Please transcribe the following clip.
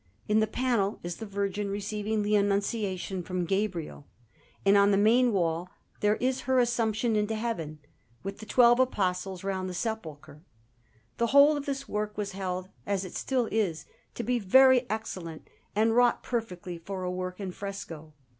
In the panel is the Virgin receiving the Annunciation from Gabriel; and on the main wall there is her Assumption into Heaven, with the twelve Apostles round the sepulchre. The whole of this work was held, as it still is, to be very excellent and wrought perfectly for a work in fresco.